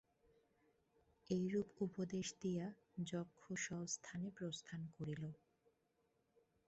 এইরূপ উপদেশ দিয়া যক্ষ স্বস্থানে প্রস্থান করিল।